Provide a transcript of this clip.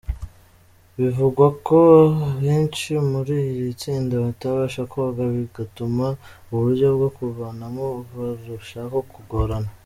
Bivugwa ko abenshi muri iri tsinda batabasha koga, bigatuma uburyo bwo kubavanamo burushaho kugorana.